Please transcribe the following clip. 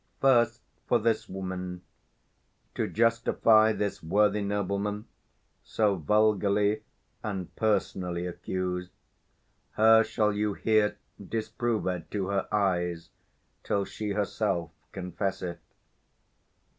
First, for this woman, To justify this worthy nobleman, So vulgarly and personally accused, 160 Her shall you hear disproved to her eyes, Till she herself confess it.